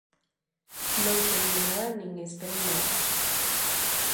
Non se din nada nin esperan nada.